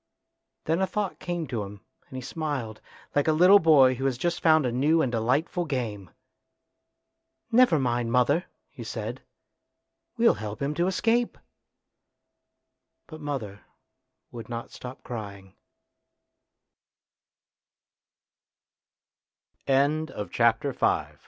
Then a thought came to him and he smiled, like a little boy who has just found a new and delightful game. " Never mind, mother," he said, "we'll help him to escape." But mother would n